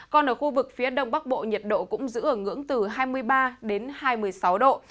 còn ở khu vực phía đông bắc bộ nhiệt độ cũng giữ ở ngưỡng từ hai mươi ba đến hai mươi sáu độ